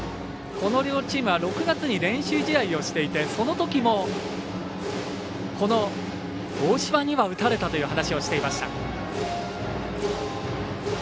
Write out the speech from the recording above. この両チームは６月に練習試合をしていてそのときも大島には打たれたという話をしていました。